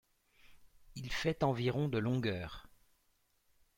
Il fait environ de longueur.